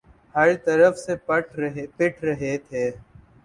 ہر طرف سے پٹ رہے تھے۔